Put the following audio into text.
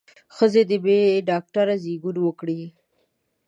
ښځې دې بې ډاکتره زېږون وکړي.